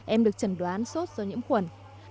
em được chẩn đoán sốt do nhiễm khuẩn